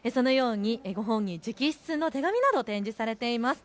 本人直筆の手紙など展示されています。